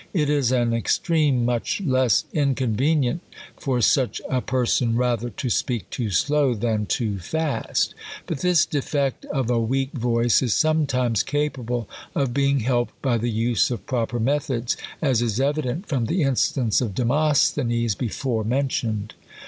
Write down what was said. It is an extreme much less inconvenient for such a person rather to speak too slow, than too fast. But this defeet of a weak voice is Sometimes capable of being helped by the use of pro per methods ; as is evident from tlie instance of De mosthenes, before mentioned.